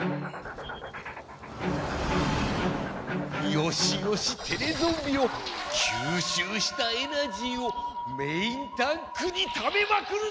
よしよしテレゾンビよきゅうしゅうしたエナジーをメインタンクにためまくるのだ！